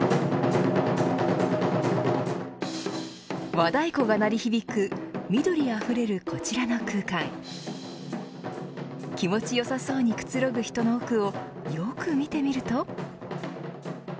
和太鼓が鳴り響く緑あふれるこちらの空間気持ち良さそうにくつろぐ人の奥をよく見てみると。